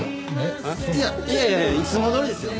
いやいやいやいつもどおりですよ。